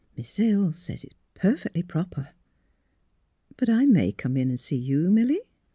Mrs. Hill says it's perfectly proper." '^ But I may come in and see you, Milly?